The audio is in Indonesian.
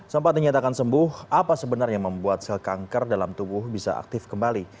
sempat dinyatakan sembuh apa sebenarnya membuat sel kanker dalam tubuh bisa aktif kembali